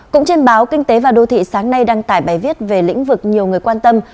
cũng trên báo kinh tế và đô thị sáng nay đăng tải bài viết về lĩnh vực nhiều người quan tâm